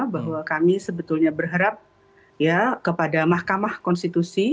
bahwa kami sebetulnya berharap ya kepada mahkamah konstitusi